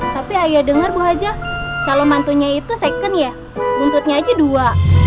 tapi ayo denger bu haji calon mantunya itu second ya guntutnya aja dua